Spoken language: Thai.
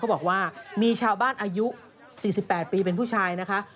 บอกว่ามีชาวบ้านอายุ๔๘ปีเป็นผู้ชายนะคะ